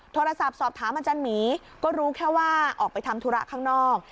โทรศัพท์สอบถามอาจารย์หมีก็รู้แค่ว่าออกไปทำธุระข้างนอก